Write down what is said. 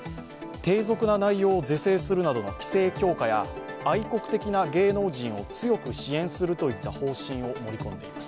低俗な内容を是正するなどの規制強化や愛国的な芸能人を強く支援するといった方針を盛り込んでいます。